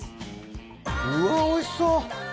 うわぁおいしそう！